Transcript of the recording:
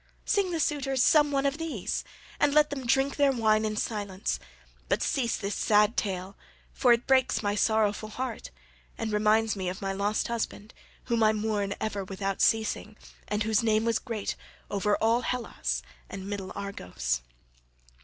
Sing the suitors some one of these, and let them drink their wine in silence, but cease this sad tale, for it breaks my sorrowful heart, and reminds me of my lost husband whom I mourn ever without ceasing, and whose name was great over all Hellas and middle Argos."